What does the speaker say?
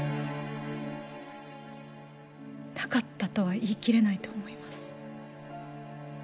なかったとは言い切れないと思います。